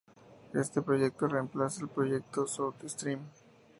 Este proyecto reemplaza el proyecto South Stream.